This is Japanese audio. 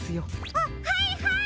あっはいはい！